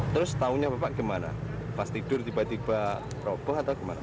terus taunya bapak gimana pas tidur tiba tiba roboh atau gimana